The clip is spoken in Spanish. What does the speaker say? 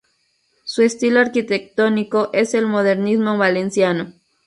Su estilo arquitectónico es el modernismo valenciano.